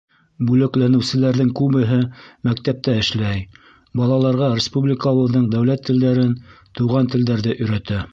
Бүләкләнеүселәрҙең күбеһе мәктәптә эшләй, балаларға республикабыҙҙың дәүләт телдәрен, туған телдәрҙе өйрәтә.